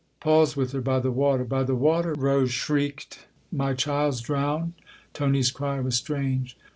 " Paul's with her by the water." " By the water ?" Rose shrieked. " My child's drowned?" Tony's cry was strange.